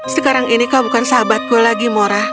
sekarang ini kau bukan sahabatku lagi mora